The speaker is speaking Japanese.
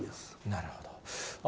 なるほど。